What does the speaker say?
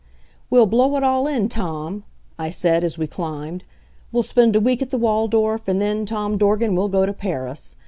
"We'll blow it all in, Tom," I said, as we climbed. "We'll spend a week at the Waldorf, and then, Tom Dorgan, we'll go to Paris.